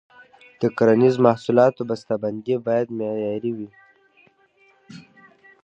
د کرنیزو محصولاتو بسته بندي باید معیاري وي.